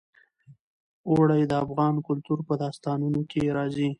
اوړي د افغان کلتور په داستانونو کې راځي.